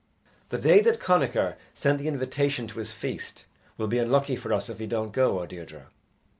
"The day that Connachar sent the invitation to his feast will be unlucky for us if we don't go, O Deirdre."